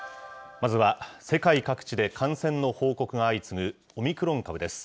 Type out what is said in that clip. まずは世界各地で感染の報告が相次ぐオミクロン株です。